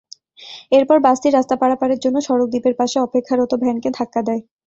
এরপর বাসটি রাস্তা পারাপারের জন্য সড়কদ্বীপের পাশে অপেক্ষারত ভ্যানকে ধাক্কা দেয়।